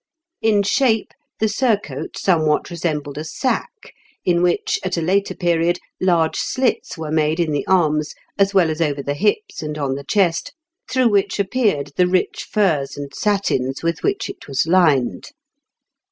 In shape the surcoat somewhat resembled a sack, in which, at a later period, large slits were made in the arms, as well as over the hips and on the chest, through which appeared the rich furs and satins with which it was lined....